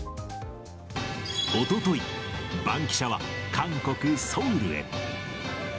おととい、バンキシャは、韓国・ソウルへ。